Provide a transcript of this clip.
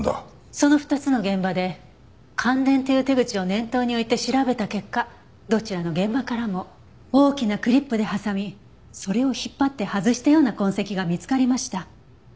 その２つの現場で感電という手口を念頭に置いて調べた結果どちらの現場からも大きなクリップで挟みそれを引っ張って外したような痕跡が見つかりました。